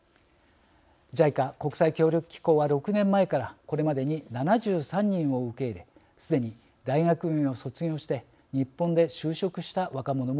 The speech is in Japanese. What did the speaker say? ＪＩＣＡ＝国際協力機構は６年前からこれまでに７３人を受け入れすでに大学院を卒業して日本で就職した若者もいます。